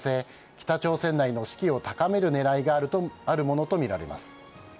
北朝鮮内の士気を高める狙いがあるものとみられます。